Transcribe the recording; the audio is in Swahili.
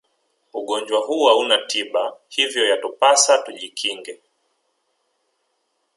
ugonjwa huu hauna tiba hivyo yatupasa tujikinge